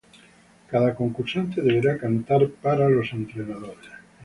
Cada concursante deberá cantar para los entrenadores.